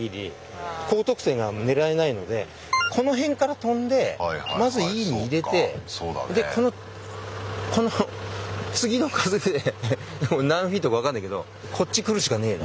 この辺から飛んでまずＥに入れてこのこの次の風で何フィートか分かんないけどこっち来るしかねぇな。